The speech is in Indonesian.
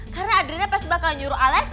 karena adriana pasti bakal nyuruh alex